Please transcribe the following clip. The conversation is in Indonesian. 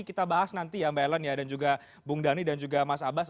kita bahas nanti ya mbak ellen dan juga bung dhani dan juga mas abbas